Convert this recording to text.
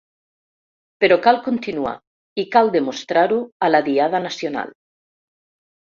Però cal continuar, i cal demostrar-ho a la diada nacional.